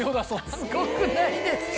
すごくないですか？